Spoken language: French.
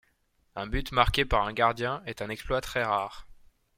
Un but marqué par un gardien est un exploit très rare.